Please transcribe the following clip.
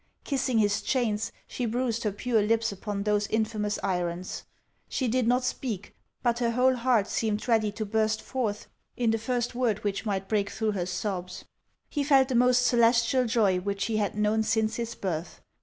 Kissing his chains, she bruised her pure lips upon those infamous irons ; she did not speak, but her whole heart seemed ready to burst forth in the first word which might break through her sobs. He felt the most celestial joy which he had known since his birth.